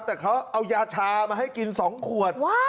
แต่เขาเอายาชามาให้กิน๒ขวด